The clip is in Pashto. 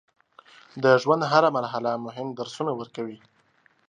د ژوند هره مرحله مهم درسونه ورکوي.